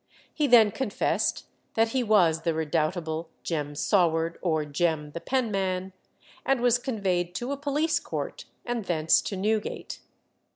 He then confessed that he was the redoubtable Jem Saward, or Jem the Penman, and was conveyed to a police court, and thence to Newgate.